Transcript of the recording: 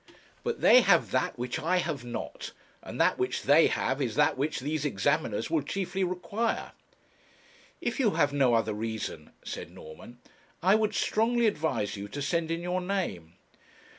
But they have that which I have not, and that which they have is that which these examiners will chiefly require.' 'If you have no other reason,' said Norman, 'I would strongly advise you to send in your name.'